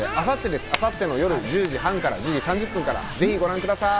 あさっての夜１０時半から１０時３０分から、ぜひご覧ください。